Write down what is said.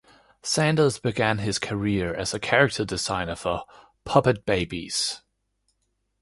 Sanders began his career as a character designer for "Muppet Babies".